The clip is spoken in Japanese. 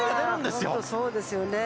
本当にそうですよね。